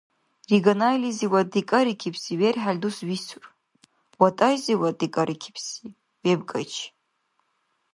Риганайлизивад декӀарикибси верхӀел дус висур, ВатӀайзивад декӀарикибси — вебкӀайчи.